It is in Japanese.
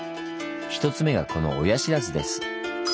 １つ目がこの親不知です。